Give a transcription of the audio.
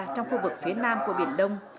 trong khu vực phía nam của biển đông